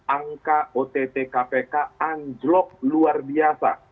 angka ott kpk anjlok luar biasa